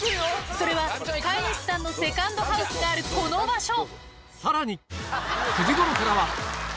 それは飼い主さんのセカンドハウスがあるこの場所